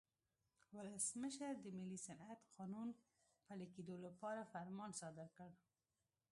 ولسمشر د ملي صنعت قانون پلي کېدو لپاره فرمان صادر کړ.